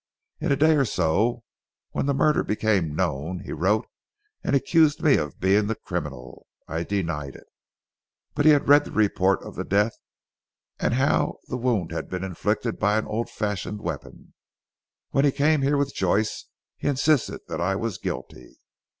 In a day or two when the murder became known he wrote and accused me of being the criminal. I denied it. But he had read the report of the death and how the wound had been inflicted by an old fashioned weapon. When he came here with Joyce he insisted that I was guilty.